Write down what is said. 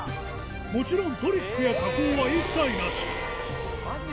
もちろんトリックや加工は一切なしマジで？